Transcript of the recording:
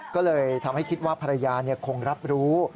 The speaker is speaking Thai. ก็เลยทำให้คิดว่าภรรยาคงรับรู้